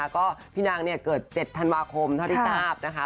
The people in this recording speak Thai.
แล้วก็พี่นางเนี่ยเกิด๗ธันวาคมเท่าที่ตราบนะคะ